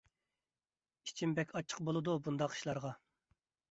ئىچىم بەك ئاچچىق بولىدۇ بۇنداق ئىشلارغا.